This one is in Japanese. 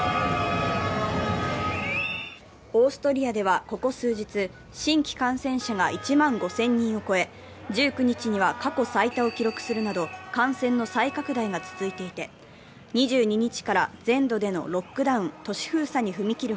オーストリアではここ数日新規感染者が１万５０００人を超え、１９日には過去最多を記録するなど、感染の再拡大が続いていて、２２日から全土でのロックダウン＝都市封鎖に踏み切る